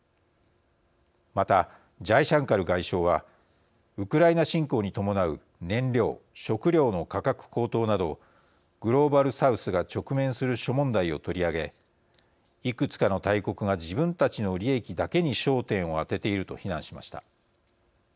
また、ジャイシャンカル外相はウクライナ侵攻に伴う燃料食料の価格高騰などグローバル・サウスが直面する諸問題を取り上げいくつかの大国が自分たちの利益だけに焦点を当てていると非難しました。